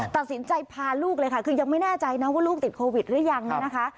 ตัดสินใจพาลูกเลยค่ะคือยังไม่แน่ใจนะว่าลูกติดโควิดหรือยังเนี่ยนะคะ